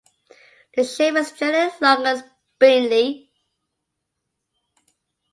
The shape is generally long and spindly.